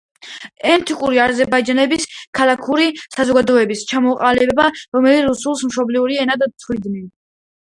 ეთნიკური აზერბაიჯანელების ქალაქური საზოგადოების ჩამოყალიბება, რომლებიც რუსულს მშობლიურ ენად თვლიდნენ.